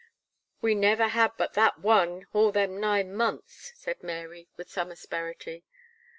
"We never had but that one all them nine months," said Mary with some asperity.